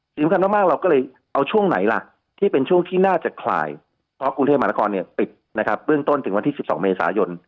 สำคัญมากเราก็เลยเอาช่วงไหนล่ะที่เป็นช่วงที่น่าจะคลายเพราะกรุงเทพมหานครปิดนะครับเบื้องต้นถึงวันที่๑๒เมษายน